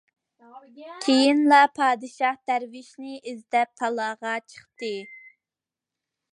كېيىنلا، پادىشاھ دەرۋىشنى ئىزدەپ تالاغا چىقتى.